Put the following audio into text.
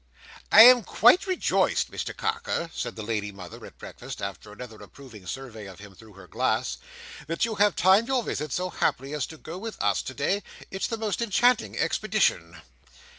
"I am quite rejoiced, Mr Carker," said the lady mother, at breakfast, after another approving survey of him through her glass, "that you have timed your visit so happily, as to go with us today. It is the most enchanting expedition!"